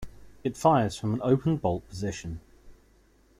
It fires from an open bolt position.